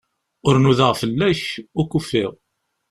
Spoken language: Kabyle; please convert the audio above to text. Ur nudaɣ fell-ak, ur k-ufiɣ.